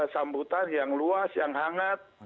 sambutan yang luas yang hangat